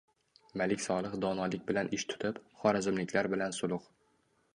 Malik Solih donolik bilan ish tutib, xorazmliklar bilan sulh